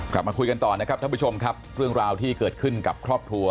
กลับมาคุยกันต่อนะครับท่านผู้ชมครับเรื่องราวที่เกิดขึ้นกับครอบครัว